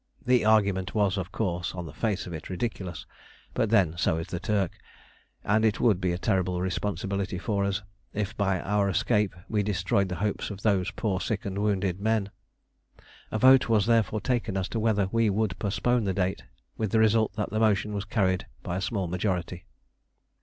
The argument was of course, on the face of it, ridiculous, but then so is the Turk, and it would be a terrible responsibility for us if by our escape we destroyed the hopes of these poor sick and wounded men. A vote was therefore taken as to whether we would postpone the date, with the result that the motion was carried by a small majority.